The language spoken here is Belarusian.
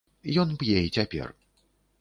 Ён п'е і цяпер.